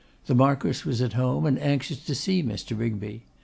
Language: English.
The Marquess was at home, and anxious to see Mr. Rigby.